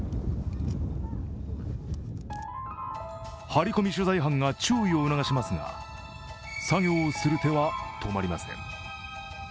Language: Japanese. ハリコミ取材班が注意を促しますが作業をする手は止まりません。